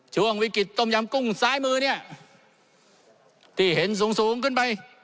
ช่วงวิกฤตต้มยำกุ้งซ้ายมือเนี่ยที่เห็นสูงสูงขึ้นไป